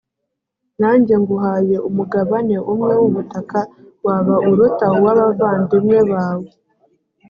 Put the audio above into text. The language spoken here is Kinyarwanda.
nanjye nguhaye umugabane umwe w ubutaka waba uruta uw abavandimwe bawe